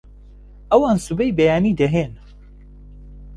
ئەوان سبەی بەیانی دەهێن